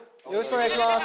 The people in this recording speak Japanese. お願いします。